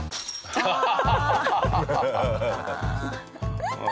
ハハハハ！